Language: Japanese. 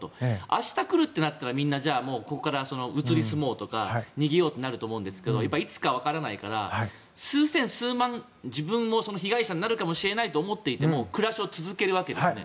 明日来るってなったらみんなここから移り住もうとか逃げようとなると思うんですがいつかわからないから数千、数万の自分も被害者になるかもしれないと思っていても暮らしを続けるわけですね。